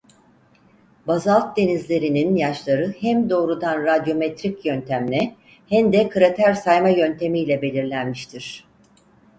Bazalt denizlerinin yaşları hem doğrudan radyometrik yöntemle hen de krater sayma yöntemiyle belirlenmiştir.